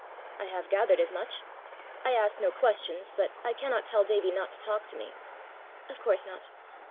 "I have gathered as much: I ask no questions, but I cannot tell Davie not to talk to me!" "Of course not.